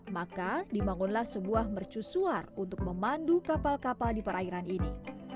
maka dibangunlah sebuah mercusuar untuk memandu kapal kapal di perairan ini